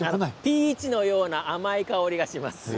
ピーチのような甘い香りがします。